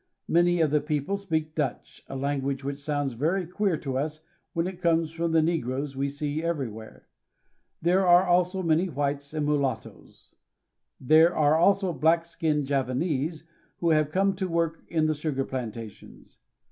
Many of the people speak Dutch, a lan guage which sounds very queer to us when it comes from the ne groes we see every where. There are also many whites and mu lattoes. There are also black skinned Javanese who have come to work in the sugar plantations.